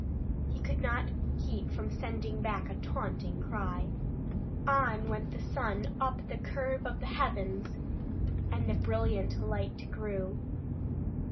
He could not keep from sending back a taunting cry. On went the sun up the curve of the heavens, and the brilliant light grew.